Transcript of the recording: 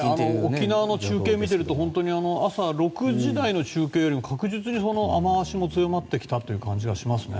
沖縄の中継を見ていると朝６時台の中継よりも確実に雨脚も強まってきたという感じがしますね。